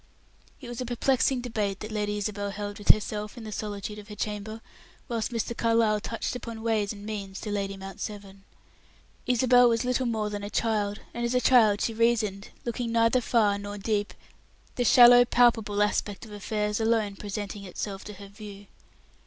It was a perplexing debate that Lady Isabel held with herself in the solitude of her chamber, whilst Mr. Carlyle touched upon ways and means to Lady Mount Severn. Isabel was little more than a child, and as a child she reasoned, looking neither far nor deep: the shallow palpable aspect of affairs alone presenting itself to her view.